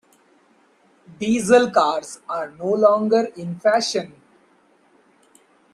Diesel cars are no longer in fashion.